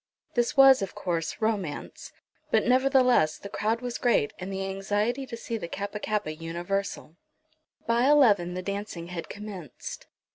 This was, of course, romance; but, nevertheless, the crowd was great, and the anxiety to see the Kappa kappa universal. By eleven the dancing had commenced.